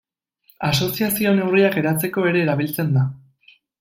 Asoziazio neurriak eratzeko ere erabiltzen da.